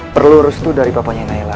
perlu restu dari bapaknya naila